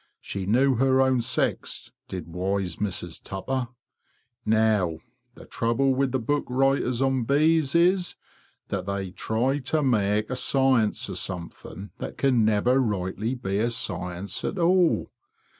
She knew her own sex, did wise Mrs Tupper. Now, the trouble with the book writers on bees is that they try to make a science of something that can never rightly be a science at all.